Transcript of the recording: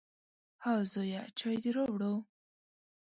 _ها زويه، چای دې راووړ؟